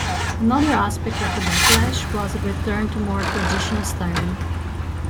Another aspect of the backlash was a return to more traditional styling.